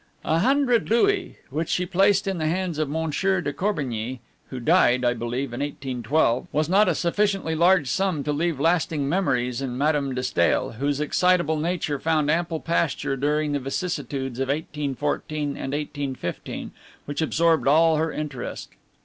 A hundred louis, which she placed in the hands of Monsieur de Corbigny, who died, I believe, in 1812, was not a sufficiently large sum to leave lasting memories in Madame de Stael, whose excitable nature found ample pasture during the vicissitudes of 1814 and 1815, which absorbed all her interest.